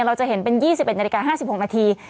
เราจะเห็นเป็น๒๑นาฬิกา๕๖นาที